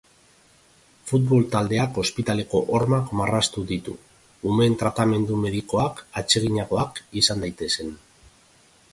Futbol taldeak ospitaleko hormak marraztu ditu, umeen tratamendu medikoak atseginagoak izan daitezen.